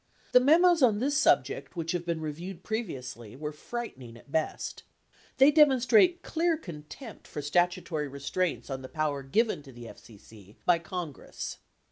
The memos on this subject which have been reviewed previously, were frightening at best. They demonstrate clear contempt for statu tory restraints on the power given to the FCC by Congress.